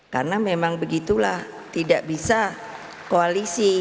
karena memang begitulah tidak bisa koalisi